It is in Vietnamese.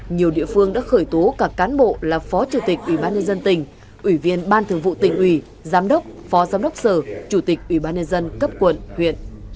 nhiều địa phương đã khởi tố cả cán bộ là phó chủ tịch ủy ban nhân dân tỉnh ủy viên ban thường vụ tỉnh ủy giám đốc phó giám đốc sở chủ tịch ủy ban nhân dân cấp quận huyện